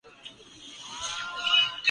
ہماری سوچ فرسودہ ہے۔